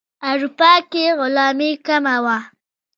اروپا کې غلامي کمه وه.